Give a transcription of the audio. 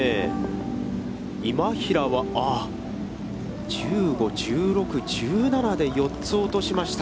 今平はあっ、１５、１６、１７で４つ落としました。